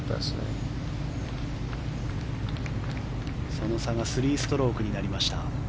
その差が３ストロークになりました。